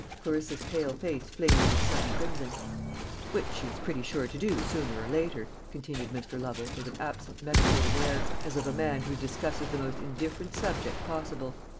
Clarissa's pale face flamed with sudden crimson. "Which he is pretty sure to do, sooner or later," continued Mr. Lovel, with an absent meditative air, as of a man who discusses the most indifferent subject possible.